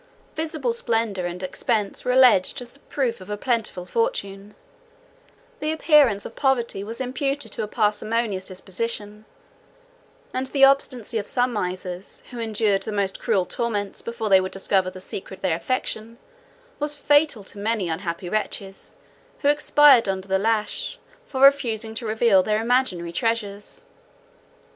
104 Visible splendor and expense were alleged as the proof of a plentiful fortune; the appearance of poverty was imputed to a parsimonious disposition; and the obstinacy of some misers, who endured the most cruel torments before they would discover the secret object of their affection, was fatal to many unhappy wretches, who expired under the lash, for refusing to reveal their imaginary treasures.